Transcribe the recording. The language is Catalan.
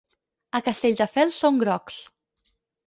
A Castelldefels són grocs.